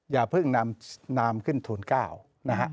อย่าเพิ่งนำขึ้นทูล๙นะฮะ